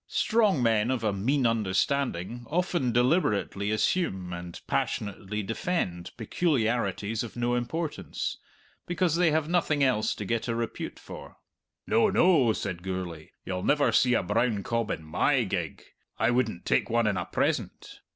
Strong men of a mean understanding often deliberately assume, and passionately defend, peculiarities of no importance, because they have nothing else to get a repute for. "No, no," said Gourlay; "you'll never see a brown cob in my gig I wouldn't take one in a present!"